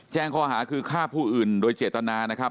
แจ้งข้อหาคือฆ่าผู้อื่นโดยเจตนานะครับ